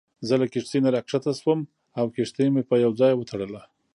زه له کښتۍ نه راکښته شوم او کښتۍ مې په یوه ځای وتړله.